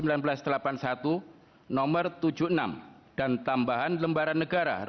mengapakah pengadilan ini berhasilisai untuk mendekatkan kesaksian dan memisahkan dalam battle yang diperlukan oleh rakyat berada di dunia ini